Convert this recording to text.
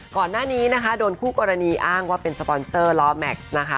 ก่อนหน้านี้นะคะโดนคู่กรณีอ้างว่าเป็นสปอนเตอร์ล้อแม็กซ์นะคะ